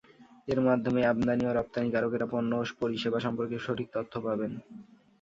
এর মাধ্যমে আমদানি ও রপ্তানিকারকেরা পণ্য ও পরিষেবা সম্পর্কে সঠিক তথ্য পাবেন।